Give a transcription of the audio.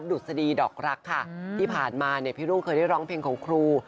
ดุษฎีดอกรักค่ะที่ผ่านมาเนี่ยพี่รุ่งเคยได้ร้องเพลงของครู